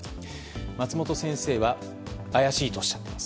松本先生は怪しいとおっしゃっています。